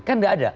kan tidak ada